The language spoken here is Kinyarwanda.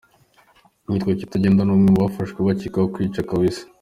Uwitwa Kitagenda ni umwe mu bafashwe bakekwaho kwica Kaweesi